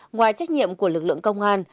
ngoài trách nhiệm của lực lượng công an